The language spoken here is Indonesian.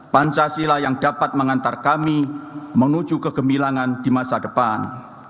panca silah yang dapat mengantar kami menuju kegembilangan di masa depan